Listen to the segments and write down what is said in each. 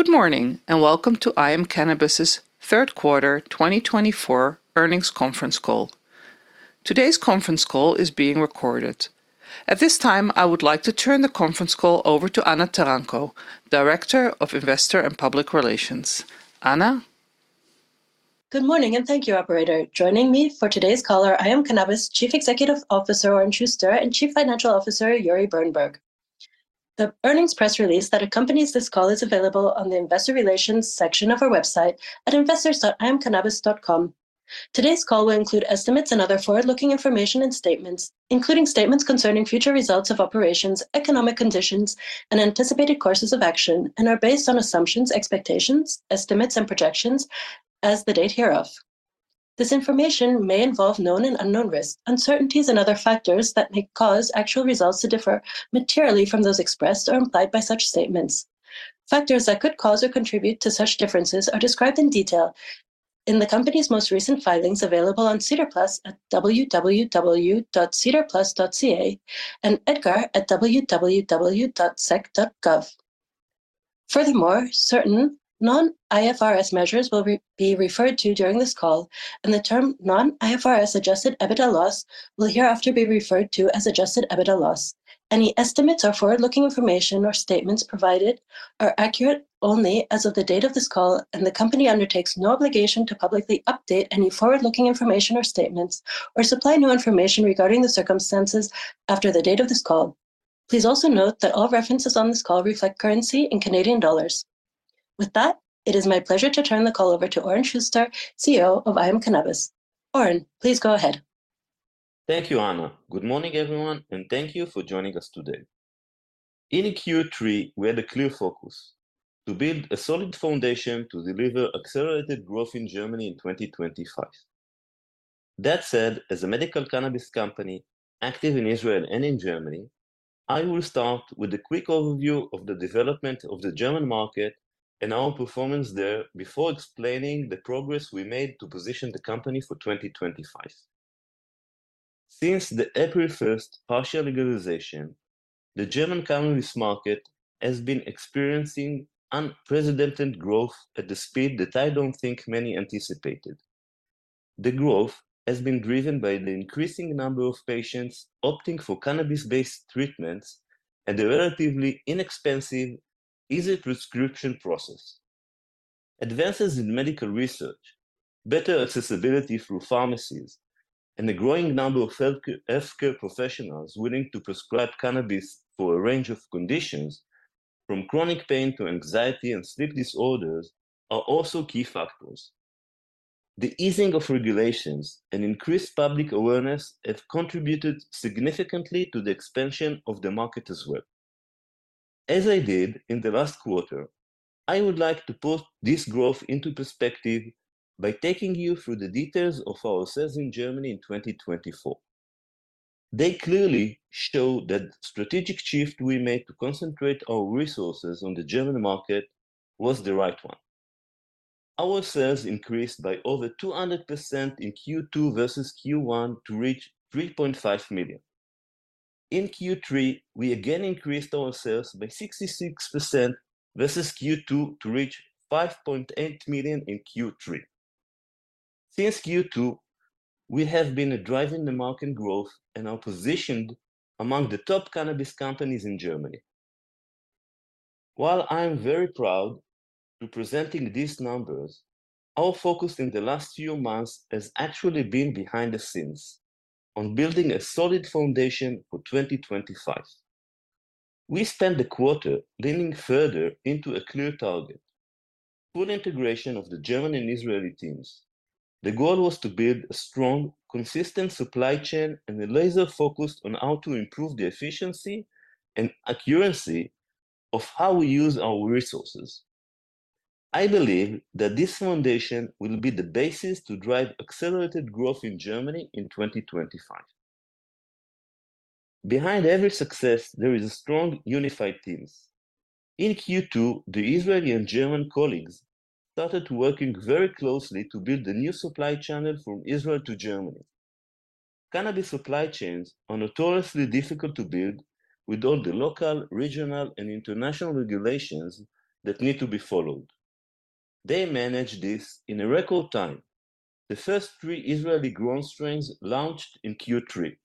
Good morning, and welcome to IM Cannabis's third quarter 2024 earnings conference call. Today's conference call is being recorded. At this time, I would like to turn the conference call over to Anna Taranko, Director of Investor and Public Relations. Anna? Good morning, and thank you, Operator. Joining me for today's call are IM Cannabis Chief Executive Officer Oren Shuster and Chief Financial Officer Uri Birenberg. The earnings press release that accompanies this call is available on the Investor Relations section of our website at investors.imcannabis.com. Today's call will include estimates and other forward-looking information and statements, including statements concerning future results of operations, economic conditions, and anticipated courses of action, and are based on assumptions, expectations, estimates, and projections as the date hereof. This information may involve known and unknown risks, uncertainties, and other factors that may cause actual results to differ materially from those expressed or implied by such statements. Factors that could cause or contribute to such differences are described in detail in the company's most recent filings available on SEDAR+ at www.sedarplus.ca and EDGAR at www.sec.gov. Furthermore, certain non-IFRS measures will be referred to during this call, and the term non-IFRS Adjusted EBITDA loss will hereafter be referred to as Adjusted EBITDA loss. Any estimates or forward-looking information or statements provided are accurate only as of the date of this call, and the company undertakes no obligation to publicly update any forward-looking information or statements, or supply new information regarding the circumstances after the date of this call. Please also note that all references on this call reflect currency in Canadian dollars. With that, it is my pleasure to turn the call over to Oren Shuster, CEO of IM Cannabis. Oren, please go ahead. Thank you, Anna. Good morning, everyone, and thank you for joining us today. In Q3, we had a clear focus: to build a solid foundation to deliver accelerated growth in Germany in 2025. That said, as a medical cannabis company active in Israel and in Germany, I will start with a quick overview of the development of the German market and our performance there before explaining the progress we made to position the company for 2025. Since the April 1st partial legalization, the German cannabis market has been experiencing unprecedented growth at the speed that I don't think many anticipated. The growth has been driven by the increasing number of patients opting for cannabis-based treatments and the relatively inexpensive, easy-to-prescription process. Advances in medical research, better accessibility through pharmacies, and the growing number of healthcare professionals willing to prescribe cannabis for a range of conditions, from chronic pain to anxiety and sleep disorders, are also key factors. The easing of regulations and increased public awareness have contributed significantly to the expansion of the market as well. As I did in the last quarter, I would like to put this growth into perspective by taking you through the details of our sales in Germany in 2024. They clearly show that the strategic shift we made to concentrate our resources on the German market was the right one. Our sales increased by over 200% in Q2 versus Q1 to reach 3.5 million. In Q3, we again increased our sales by 66% versus Q2 to reach 5.8 million in Q3. Since Q2, we have been driving the market growth and are positioned among the top cannabis companies in Germany. While I'm very proud to be presenting these numbers, our focus in the last few months has actually been behind the scenes on building a solid foundation for 2025. We spent the quarter leaning further into a clear target: full integration of the German and Israeli teams. The goal was to build a strong, consistent supply chain and a laser-focused approach on how to improve the efficiency and accuracy of how we use our resources. I believe that this foundation will be the basis to drive accelerated growth in Germany in 2025. Behind every success, there is a strong, unified team. In Q2, the Israeli and German colleagues started working very closely to build a new supply channel from Israel to Germany. Cannabis supply chains are notoriously difficult to build with all the local, regional, and international regulations that need to be followed. They managed this in record time. The first three Israeli growth strains launched in Q3.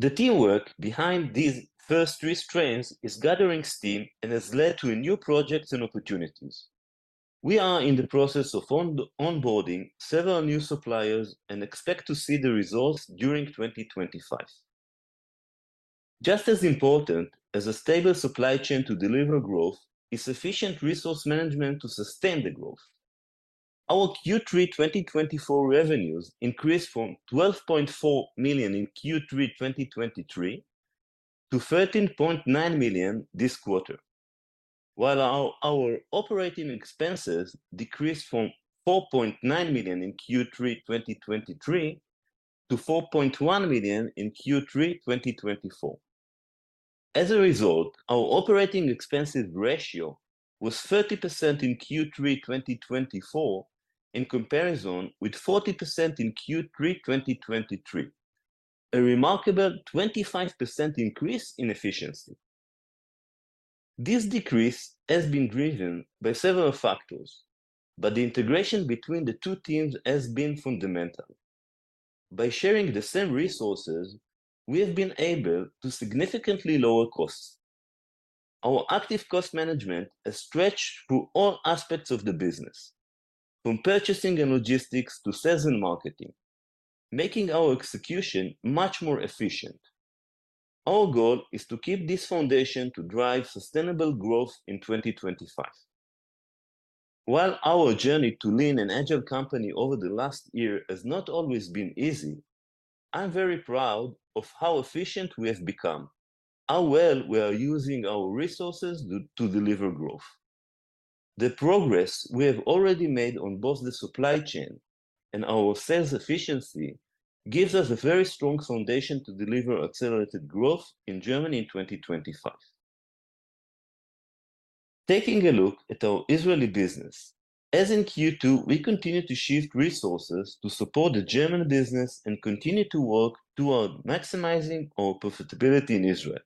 The teamwork behind these first three strains is gathering steam and has led to new projects and opportunities. We are in the process of onboarding several new suppliers and expect to see the results during 2025. Just as important as a stable supply chain to deliver growth is efficient resource management to sustain the growth. Our Q3 2024 revenues increased from 12.4 million in Q3 2023 to 13.9 million this quarter, while our operating expenses decreased from 4.9 million in Q3 2023 to 4.1 million in Q3 2024. As a result, our operating expenses ratio was 30% in Q3 2024 in comparison with 40% in Q3 2023, a remarkable 25% increase in efficiency. This decrease has been driven by several factors, but the integration between the two teams has been fundamental. By sharing the same resources, we have been able to significantly lower costs. Our active cost management has stretched through all aspects of the business, from purchasing and logistics to sales and marketing, making our execution much more efficient. Our goal is to keep this foundation to drive sustainable growth in 2025. While our journey to lean and agile company over the last year has not always been easy, I'm very proud of how efficient we have become, how well we are using our resources to deliver growth. The progress we have already made on both the supply chain and our sales efficiency gives us a very strong foundation to deliver accelerated growth in Germany in 2025. Taking a look at our Israeli business, as in Q2, we continue to shift resources to support the German business and continue to work toward maximizing our profitability in Israel.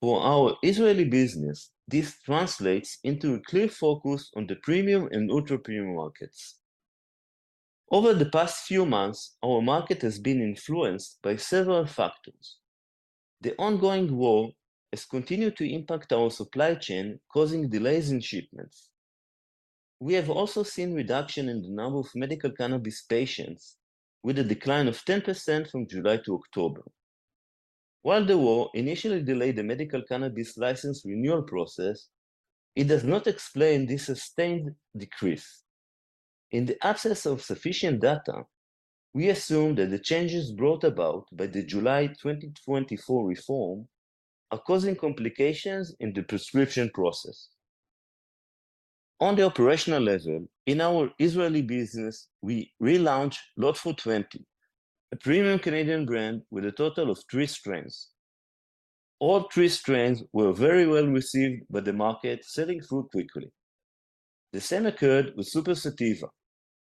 For our Israeli business, this translates into a clear focus on the premium and ultra-premium markets. Over the past few months, our market has been influenced by several factors. The ongoing war has continued to impact our supply chain, causing delays in shipments. We have also seen a reduction in the number of medical cannabis patients, with a decline of 10% from July to October. While the war initially delayed the medical cannabis license renewal process, it does not explain this sustained decrease. In the absence of sufficient data, we assume that the changes brought about by the July 2024 reform are causing complications in the prescription process. On the operational level, in our Israeli business, we relaunched Lot 420, a premium Canadian brand with a total of three strains. All three strains were very well received by the market, selling through quickly. The same occurred with Super Sativa,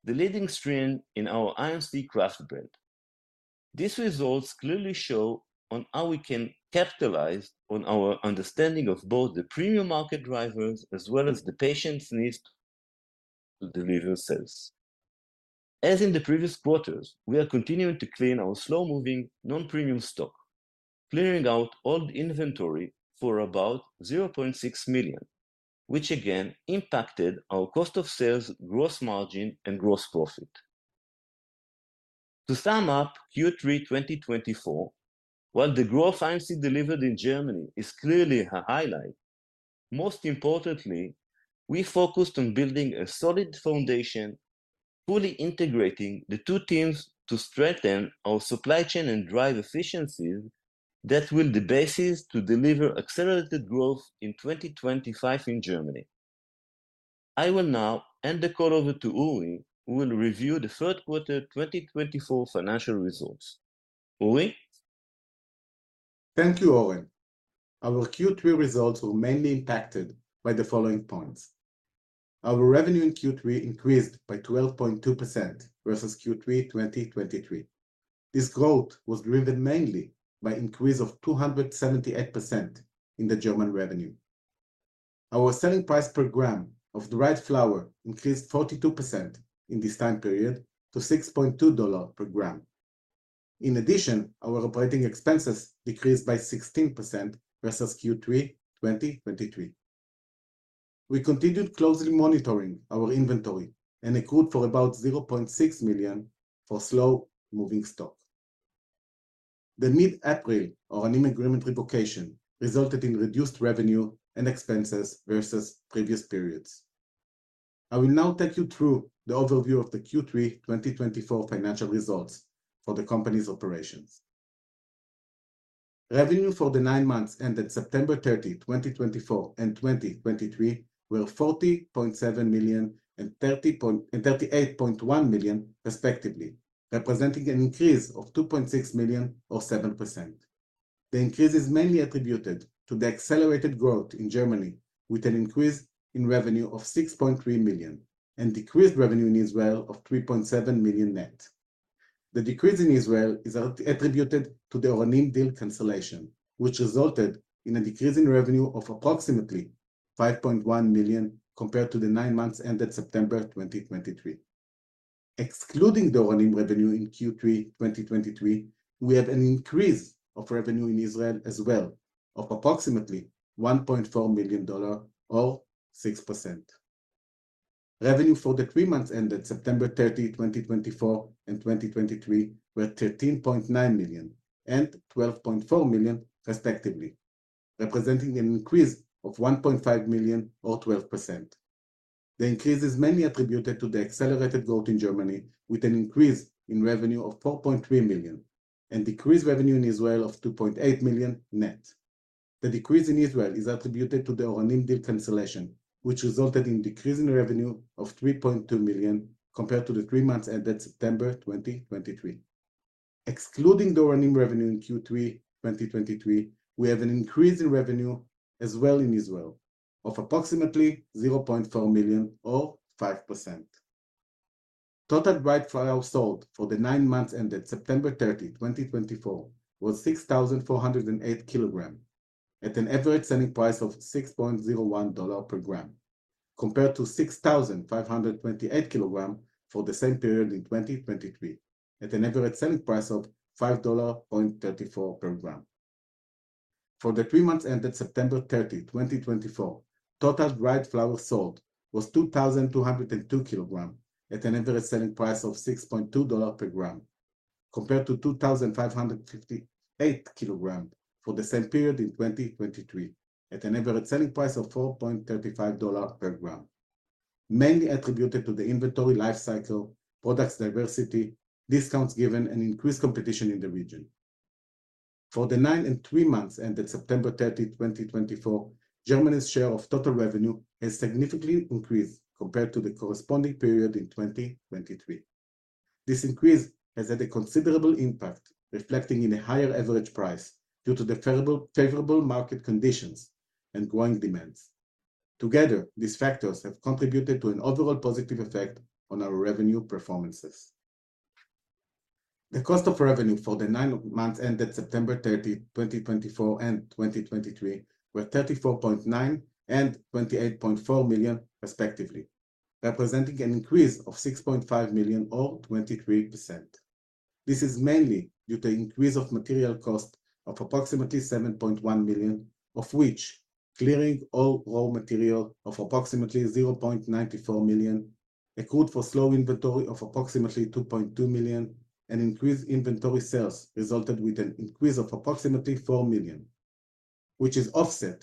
the leading strain in our IMC Craft brand. These results clearly show how we can capitalize on our understanding of both the premium market drivers as well as the patients' needs to deliver sales. As in the previous quarters, we are continuing to clean our slow-moving non-premium stock, clearing out old inventory for about 0.6 million, which again impacted our cost of sales, gross margin, and gross profit. To sum up Q3 2024, while the growth IMC delivered in Germany is clearly a highlight, most importantly, we focused on building a solid foundation, fully integrating the two teams to strengthen our supply chain and drive efficiencies that will be the basis to deliver accelerated growth in 2025 in Germany. I will now hand the call over to Uri, who will review the third quarter 2024 financial results. Uri? Thank you, Oren. Our Q3 results were mainly impacted by the following points. Our revenue in Q3 increased by 12.2% versus Q3 2023. This growth was driven mainly by an increase of 278% in the German revenue. Our selling price per gram of the dried flower increased 42% in this time period to 6.2 dollars per gram. In addition, our operating expenses decreased by 16% versus Q3 2023. We continued closely monitoring our inventory and accrued for about 0.6 million for slow-moving stock. The mid-April Oranim Pharm agreement revocation resulted in reduced revenue and expenses versus previous periods. I will now take you through the overview of the Q3 2024 financial results for the company's operations. Revenue for the nine months ended September 30, 2024, and 2023 were 40.7 million and 38.1 million, respectively, representing an increase of 2.6 million, or 7%. The increase is mainly attributed to the accelerated growth in Germany, with an increase in revenue of 6.3 million and decreased revenue in Israel of 3.7 million net. The decrease in Israel is attributed to the Oranim Pharm deal cancellation, which resulted in a decrease in revenue of approximately 5.1 million compared to the nine months ended September 2023. Excluding the Oranim Pharm revenue in Q3 2023, we have an increase of revenue in Israel as well of approximately 1.4 million dollar, or 6%. Revenue for the three months ended September 30, 2024, and 2023 were 13.9 million and 12.4 million, respectively, representing an increase of 1.5 million, or 12%. The increase is mainly attributed to the accelerated growth in Germany, with an increase in revenue of 4.3 million and decreased revenue in Israel of 2.8 million net. The decrease in Israel is attributed to the Oranim Pharm deal cancellation, which resulted in a decrease in revenue of 3.2 million compared to the three months ended September 2023. Excluding the Oranim Pharm revenue in Q3 2023, we have an increase in revenue as well in Israel of approximately 0.4 million, or 5%. Total dried flower sold for the nine months ended September 30, 2024, was 6,408 kilograms at an average selling price of 6.01 dollar per gram, compared to 6,528 kilograms for the same period in 2023 at an average selling price of 5.34 dollar per gram. For the three months ended September 30, 2024, total dried flower sold was 2,202 kilograms at an average selling price of 6.2 dollars per gram, compared to 2,558 kilograms for the same period in 2023 at an average selling price of 4.35 dollar per gram, mainly attributed to the inventory life cycle, product diversity, discounts given, and increased competition in the region. For the nine and three months ended September 30, 2024, Germany's share of total revenue has significantly increased compared to the corresponding period in 2023. This increase has had a considerable impact, reflecting in a higher average price due to the favorable market conditions and growing demands. Together, these factors have contributed to an overall positive effect on our revenue performances. The cost of revenue for the nine months ended September 30, 2024, and 2023 were 34.9 million and 28.4 million, respectively, representing an increase of 6.5 million, or 23%. This is mainly due to the increase of material cost of approximately 7.1 million, of which clearing all raw material of approximately 0.94 million accrued for slow inventory of approximately 2.2 million and increased inventory sales resulted in an increase of approximately 4 million, which is offset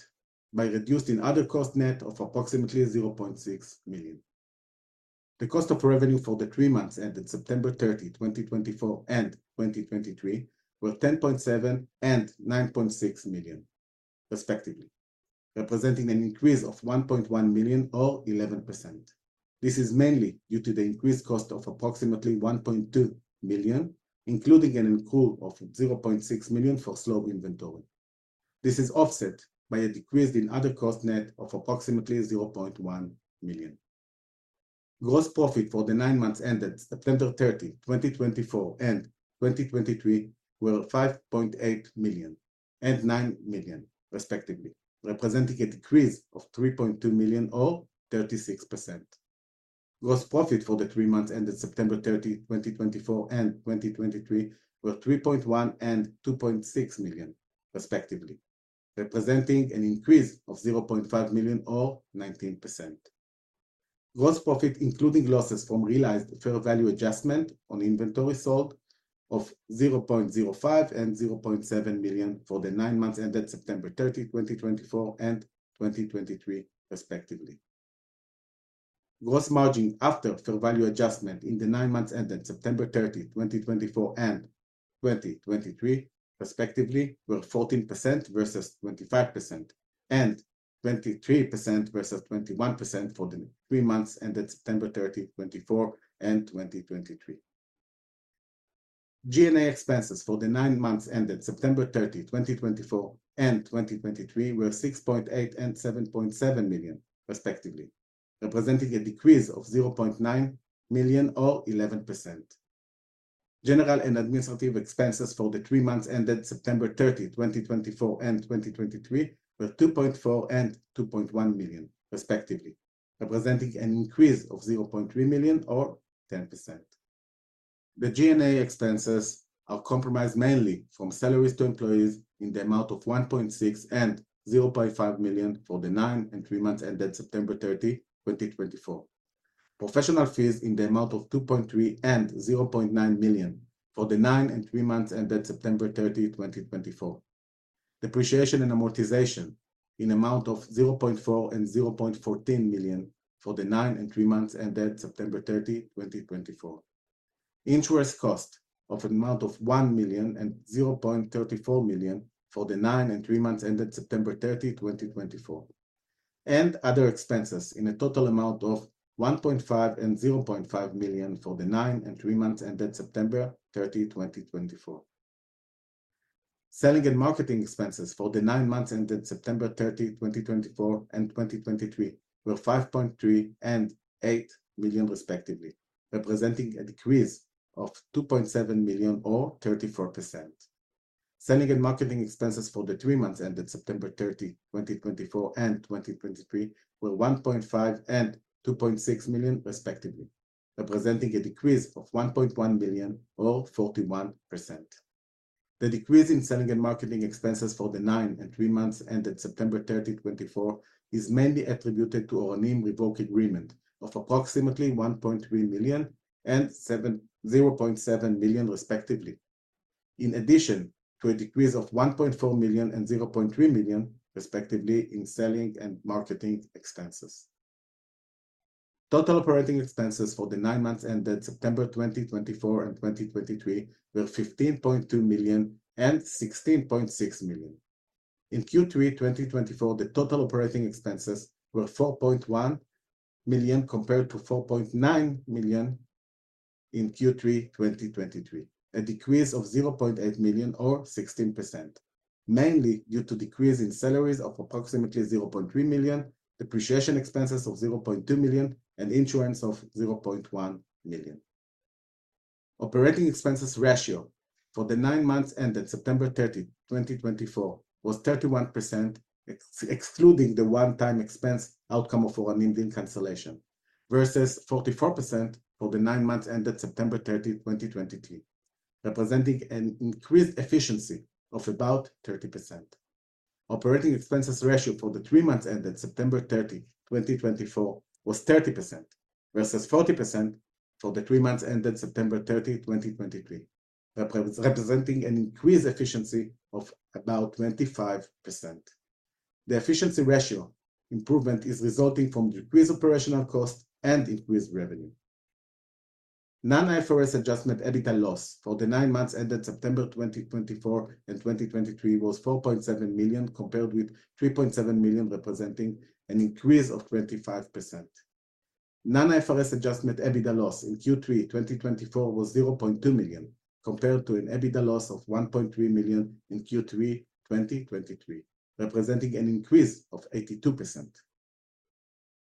by a reduced in other cost net of approximately 0.6 million. The cost of revenue for the three months ended September 30, 2024, and 2023 were 10.7 million and 9.6 million, respectively, representing an increase of 1.1 million, or 11%. This is mainly due to the increased cost of approximately 1.2 million, including an accrual of 0.6 million for slow inventory. This is offset by a decrease in other cost net of approximately 0.1 million. Gross profit for the nine months ended September 30, 2024, and 2023 were 5.8 million and 9 million, respectively, representing a decrease of 3.2 million, or 36%. Gross profit for the three months ended September 30, 2024, and 2023 were 3.1 million and 2.6 million, respectively, representing an increase of 0.5 million, or 19%. Gross profit, including losses from realized fair value adjustment on inventory sold, was 0.05 million and 0.7 million for the nine months ended September 30, 2024, and 2023, respectively. Gross margin after fair value adjustment in the nine months ended September 30, 2024, and 2023, respectively, was 14% versus 25% and 23% versus 21% for the three months ended September 30, 2024, and 2023. G&A expenses for the nine months ended September 30, 2024, and 2023 were 6.8 million and 7.7 million, respectively, representing a decrease of 0.9 million, or 11%.General and administrative expenses for the three months ended September 30, 2024, and 2023 were 2.4 million and 2.1 million, respectively, representing an increase of 0.3 million, or 10%. The G&A expenses are comprised mainly from salaries to employees in the amount of 1.6 million and 0.5 million for the nine and three months ended September 30, 2024, professional fees in the amount of 2.3 million and 0.9 million for the nine and three months ended September 30, 2024, depreciation and amortization in the amount of 0.4 million and 0.14 million for the nine and three months ended September 30, 2024, insurance cost of an amount of 1 million and 0.34 million for the nine and three months ended September 30, 2024, and other expenses in a total amount of 1.5 million and 0.5 million for the nine and three months ended September 30, 2024. Selling and marketing expenses for the nine months ended September 30, 2024, and 2023 were 5.3 million and 8 million, respectively, representing a decrease of 2.7 million, or 34%. Selling and marketing expenses for the three months ended September 30, 2024, and 2023 were 1.5 million and 2.6 million, respectively, representing a decrease of 1.1 million, or 41%. The decrease in selling and marketing expenses for the nine and three months ended September 30, 2024, is mainly attributed to the Oranim Pharm revoked agreement of approximately 1.3 million and 0.7 million, respectively, in addition to a decrease of 1.4 million and 0.3 million, respectively, in selling and marketing expenses. Total operating expenses for the nine months ended September 2024 and 2023 were 15.2 million and 16.6 million. In Q3 2024, the total operating expenses were 4.1 million compared to 4.9 million in Q3 2023, a decrease of 0.8 million, or 16%, mainly due to a decrease in salaries of approximately 0.3 million, depreciation expenses of 0.2 million, and insurance of 0.1 million. Operating expenses ratio for the nine months ended September 30, 2024, was 31%, excluding the one-time expense outcome of Oranim Pharm deal cancellation, versus 44% for the nine months ended September 30, 2023, representing an increased efficiency of about 30%. Operating expenses ratio for the three months ended September 30, 2024, was 30% versus 40% for the three months ended September 30, 2023, representing an increased efficiency of about 25%. The efficiency ratio improvement is resulting from the increased operational cost and increased revenue. Non-IFRS adjusted EBITDA loss for the nine months ended September 2024 and 2023 was 4.7 million, compared with 3.7 million, representing an increase of 25%. Non-IFRS adjusted EBITDA loss in Q3 2024 was 0.2 million, compared to an EBITDA loss of 1.3 million in Q3 2023, representing an increase of 82%.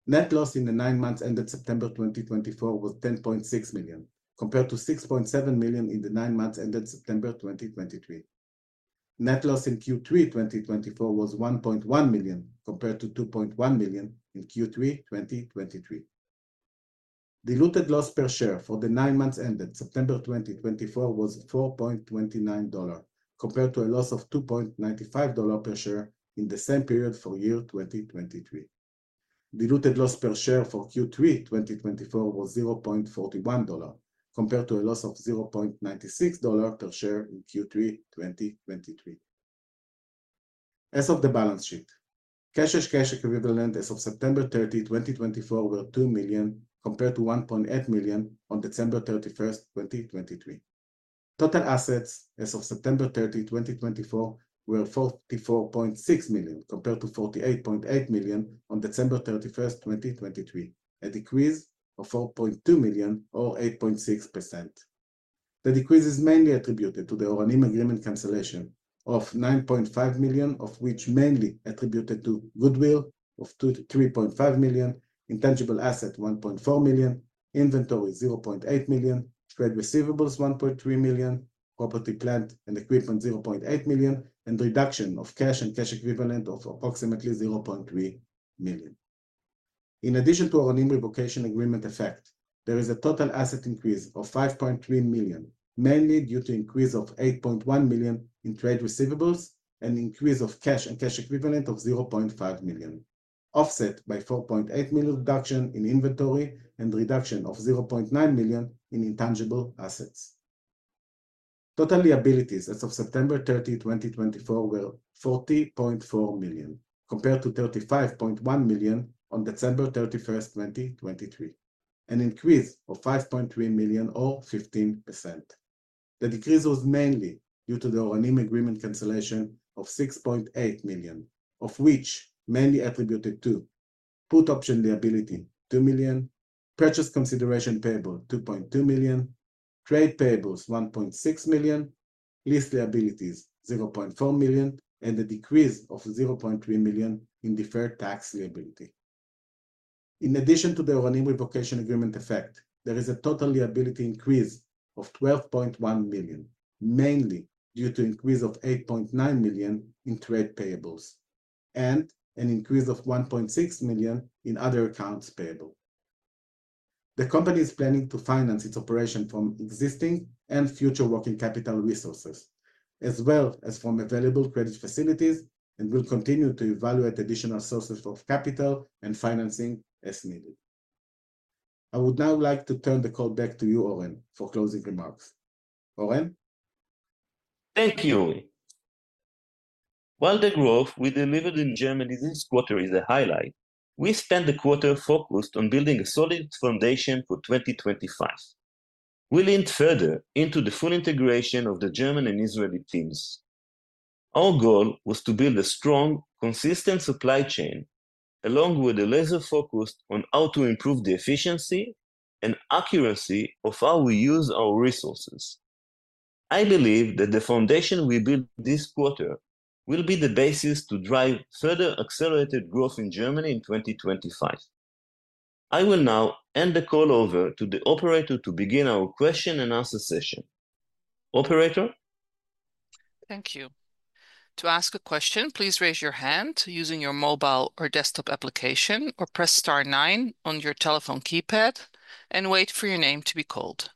Net loss in the nine months ended September 2024 was 10.6 million, compared to 6.7 million in the nine months ended September 2023. Net loss in Q3 2024 was 1.1 million, compared to 2.1 million in Q3 2023. Diluted loss per share for the nine months ended September 2024 was $4.29, compared to a loss of $2.95 per share in the same period for year 2023. Diluted loss per share for Q3 2024 was $0.41, compared to a loss of $0.96 per share in Q3 2023. As of the balance sheet, cash and cash equivalents as of September 30, 2024, were 2 million, compared to 1.8 million on December 31, 2023. Total assets as of September 30, 2024, were 44.6 million, compared to 48.8 million on December 31, 2023, a decrease of 4.2 million, or 8.6%. The decrease is mainly attributed to the Oranim Pharm agreement cancellation of 9.5 million, of which mainly attributed to goodwill of 3.5 million, intangible asset 1.4 million, inventory 0.8 million, trade receivables 1.3 million, property plant and equipment 0.8 million, and reduction of cash and cash equivalent of approximately 0.3 million. In addition to Oranim Pharm revocation agreement effect, there is a total asset increase of 5.3 million, mainly due to an increase of 8.1 million in trade receivables and an increase of cash and cash equivalent of 0.5 million, offset by 4.8 million reduction in inventory and reduction of 0.9 million in intangible assets. Total liabilities as of September 30, 2024, were 40.4 million, compared to 35.1 million on December 31, 2023, an increase of 5.3 million, or 15%. The decrease was mainly due to the Oranim Pharm agreement cancellation of 6.8 million, of which mainly attributed to put option liability 2 million, purchase consideration payable 2.2 million, trade payables 1.6 million, lease liabilities 0.4 million, and a decrease of 0.3 million in deferred tax liability. In addition to the Oranim Pharm revocation agreement effect, there is a total liability increase of 12.1 million, mainly due to an increase of 8.9 million in trade payables and an increase of 1.6 million in other accounts payable. The company is planning to finance its operation from existing and future working capital resources, as well as from available credit facilities, and will continue to evaluate additional sources of capital and financing as needed. I would now like to turn the call back to you, Oren, for closing remarks. Oren? Thank you. While the growth we delivered in Germany this quarter is a highlight, we spent the quarter focused on building a solid foundation for 2025. We leaned further into the full integration of the German and Israeli teams. Our goal was to build a strong, consistent supply chain, along with a laser focus on how to improve the efficiency and accuracy of how we use our resources. I believe that the foundation we built this quarter will be the basis to drive further accelerated growth in Germany in 2025. I will now hand the call over to the operator to begin our question and answer session. Operator? Thank you. To ask a question, please raise your hand using your mobile or desktop application or press star 9 on your telephone keypad and wait for your name to be called.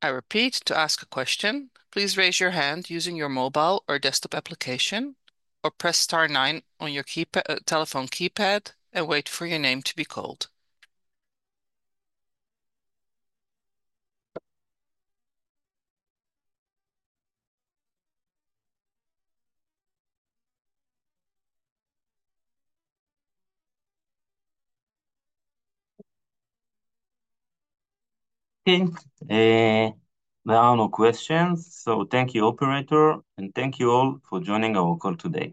I repeat, to ask a question, please raise your hand using your mobile or desktop application or press star 9 on your telephone keypad and wait for your name to be called. Okay. Now, no questions. So thank you, Operator, and thank you all for joining our call today.